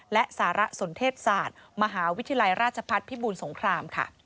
และสารสนเทศศาสตร์มหาวิทยาลัยราชพัฒน์พิบูรสงครามค่ะ